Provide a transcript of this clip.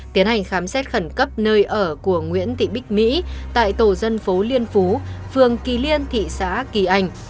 tiến hành khám xét khẩn cấp nơi ở của nguyễn thị bích mỹ tại tổ dân phố liên phú phường kỳ liên thị xã kỳ anh